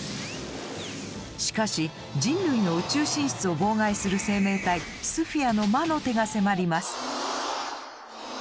しかし人類の宇宙進出を妨害する生命体「スフィア」の魔の手が迫ります。